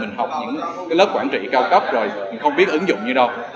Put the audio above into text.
mình học những cái lớp quản trị cao cấp rồi mình không biết ứng dụng như đâu